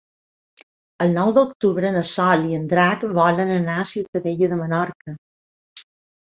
El nou d'octubre na Sol i en Drac volen anar a Ciutadella de Menorca.